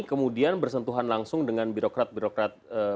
kemudian bersentuhan langsung dengan birokrat birokrat